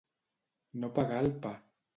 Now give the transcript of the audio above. No pagar el pa.